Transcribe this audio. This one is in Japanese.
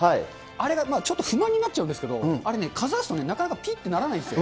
あれがちょっと不満になっちゃうんですけど、あれね、かざすと、なかなかぴっとならないんですよ。